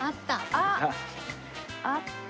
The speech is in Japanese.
あっあった。